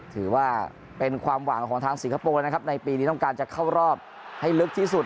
ถือว่าเป็นความหวังของทางสิงคโปร์นะครับในปีนี้ต้องการจะเข้ารอบให้ลึกที่สุด